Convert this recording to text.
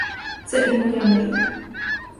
Це і моя мрія.